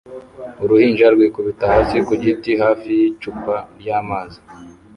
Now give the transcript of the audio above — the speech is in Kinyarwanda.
Uruhinja rwikubita hasi ku giti hafi y'icupa ry'amazi